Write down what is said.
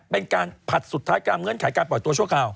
เป็นการผัดสุดท้ายการเมื้อนขายการปล่อยตัวช่วงคราว